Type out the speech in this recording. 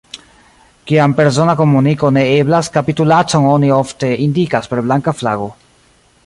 Kiam persona komuniko ne eblas, kapitulacon oni ofte indikas per blanka flago.